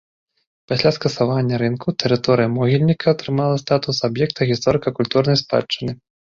Пасля скасавання рынку тэрыторыя могільніка атрымала статус аб'екта гісторыка-культурнай спадчыны.